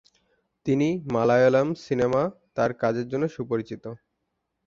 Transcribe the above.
তিনি মালায়ালম সিনেমা তার কাজের জন্য সুপরিচিত।